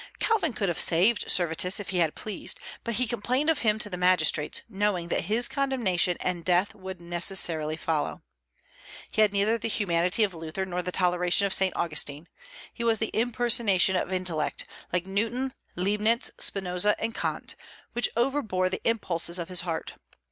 Calvin could have saved Servetus if he had pleased; but he complained of him to the magistrates, knowing that his condemnation and death would necessarily follow. He had neither the humanity of Luther nor the toleration of Saint Augustine. He was the impersonation of intellect, like Newton, Leibnitz, Spinoza, and Kant, which overbore the impulses of his heart.